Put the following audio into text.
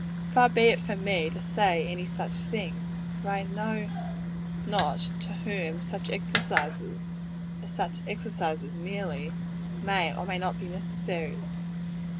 Far be it from me to say any such thing; for I know not to whom such exercises, as such exercises merely, may or may not be necessary.